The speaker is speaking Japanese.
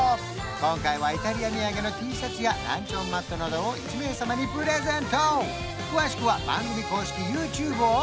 今回はイタリア土産のＴシャツやランチョンマットなどを１名様にプレゼント詳しくは番組公式ＹｏｕＴｕｂｅをｃｈｅｃｋｉｔｏｕｔ！